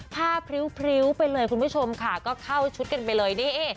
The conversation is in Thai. พริ้วไปเลยคุณผู้ชมค่ะก็เข้าชุดกันไปเลยนี่